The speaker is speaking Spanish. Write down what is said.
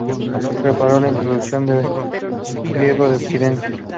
Preparó la introducción del griego en occidente.